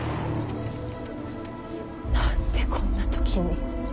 何でこんな時に。